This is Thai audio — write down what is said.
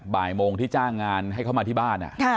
บ่ายโมงที่จ้างงานให้เขามาที่บ้าน